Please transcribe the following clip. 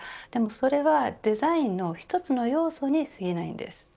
それはデザインの一つの要素に過ぎないんです。